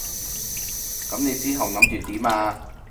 噉你之後諗住點啊？